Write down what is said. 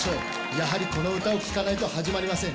やはりこの歌を聴かないと始まりません。